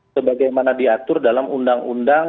sebagaimana diatur dalam undang undang